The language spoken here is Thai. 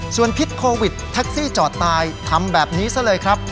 ส่วนพิษโควิดแท็กซี่จอดตายทำแบบนี้ซะเลยครับ